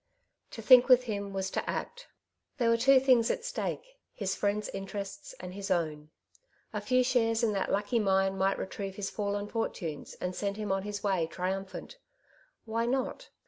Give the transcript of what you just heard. To think with him was to act There were two things at stake, his friend's interests and his own. A. few shares in that lucky mine might retrieve his fallen fortunes, and send him on his way triumpljiint* "Why not